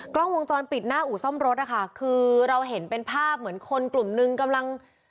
กล้องวงจรปิดหน้าอู่ซ่อมรถนะคะคือเราเห็นเป็นภาพเหมือนคนกลุ่มนึงกำลัง